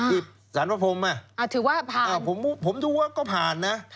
อิบสรรพพมอ่ะผมถือว่าก็ผ่านนะ